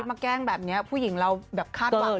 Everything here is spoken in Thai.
มาแกล้งแบบนี้ผู้หญิงเราแบบคาดหวังไว้แล้ว